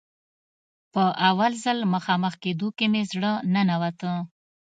په اول ځل مخامخ کېدو مې زړه ته ننوته.